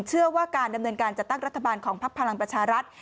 เชื่อว่าการดำเนินการจัดตั้งรัฐบาลของพักพลังประชารัฐ